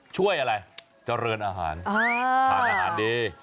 ช่วยอะไรเจริญอาหารทานอาหารดี